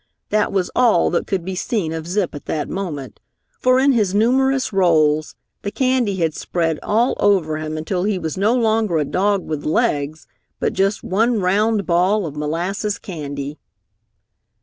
That was all that could be seen of Zip at that moment, for in his numerous rolls, the candy had spread all over him until he was no longer a dog with legs but just one round ball of molasses candy.